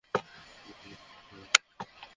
আমরা কি উপরে উঠেছি?